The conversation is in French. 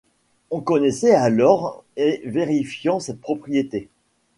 On connaissait alors et vérifiant cette propriété.